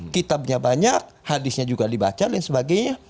kitabnya banyak hadisnya juga dibaca dan sebagainya